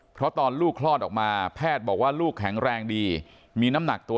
เพราะตอนลูกคลอดออกมาแพทย์บอกว่าลูกแข็งแรงดีมีน้ำหนักตัว